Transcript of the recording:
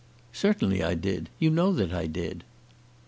"Certainly I did. You know that I did."